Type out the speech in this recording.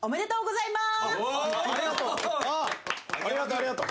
ありがとう。